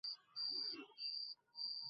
প্লেয়ার্সের পক্ষাবলম্বন করে খেলতে নামেন।